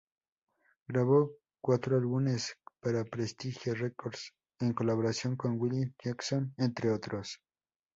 Grabó cuatro álbumes para Prestige Records, en colaboración con Willis Jackson, entre otros.